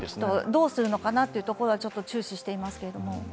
どうするのかなというところはちょっと注視していますけれども。